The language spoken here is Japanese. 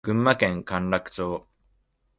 群馬県甘楽町